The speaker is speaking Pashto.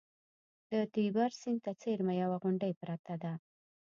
د تیبر سیند ته څېرمه یوه غونډۍ پرته ده